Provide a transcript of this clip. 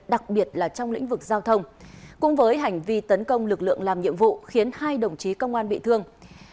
đặc biệt là trong lĩnh vực giao thông cùng với hành vi tấn công lực lượng làm nhiệm vụ khiến hai đồng chí công an bị thương